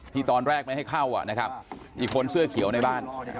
ตอนแรกไม่ให้เข้านะครับอีกคนเสื้อเขียวในบ้าน